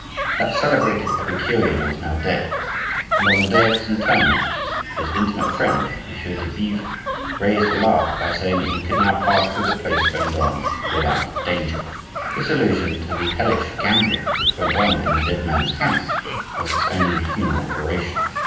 That celebrated epicurean was now dead, and on the day of his interment his intimate friend, Monsieur de Bievre, raised a laugh by saying that he "could now pass through the place Vendome without danger." This allusion to the hellish gambling which went on in the dead man's house, was his only funeral oration.